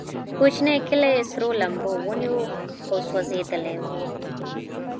کوچنی کلی سرو لمبو ونیو او سوځېدلی و.